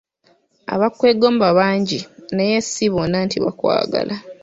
Abakwegomba bangi naye si bonna nti bakwagala.